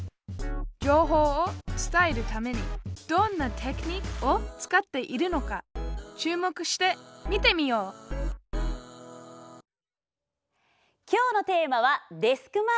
情報を伝えるためにどんなテクニックを使っているのか注目して見てみよう今日のテーマは「デスク周りの片づけ」。